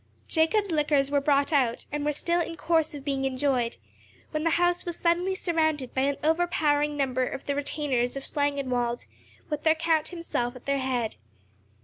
Jacob's liquors were brought out, and were still in course of being enjoyed, when the house was suddenly surrounded by an overpowering number of the retainers of Schlangenwald, with their Count himself at their head.